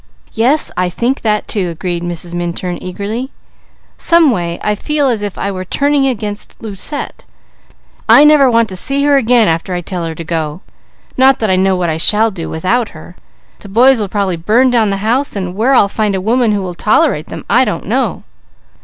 "Yes, I think that too!" agreed Mrs. Minturn eagerly. "Some way I feel as if I were turning against Lucette. I never want to see her again, after I tell her to go; not that I know what I shall do without her. The boys will probably burn down the house, and where I'll find a woman who will tolerate them, I don't know."